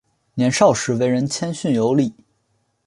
年少时为人谦逊有礼。